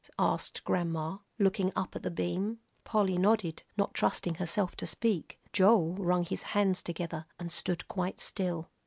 asked Grandma, looking up at the beam. Polly nodded, not trusting herself to speak. Joel wrung his hands together, and stood quite still.